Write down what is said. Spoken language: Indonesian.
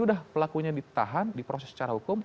sudah pelakunya ditahan di proses secara hukum